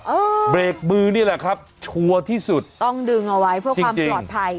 เบรกมือนี่แหละครับชัวร์ที่สุดต้องดึงเอาไว้เพื่อความปลอดภัย